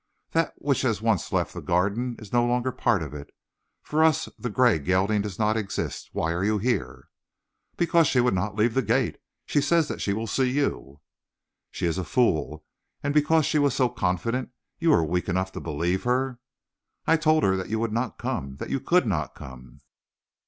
"That which has once left the Garden is no longer part of it. For us, the gray gelding does not exist. Why are you here?" "Because she would not leave the gate. She says that she will see you." "She is a fool. And because she was so confident, you were weak enough to believe her?" "I told her that you would not come; that you could not come!"